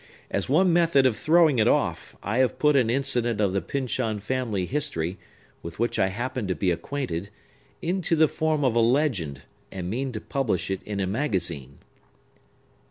As one method of throwing it off, I have put an incident of the Pyncheon family history, with which I happen to be acquainted, into the form of a legend, and mean to publish it in a magazine."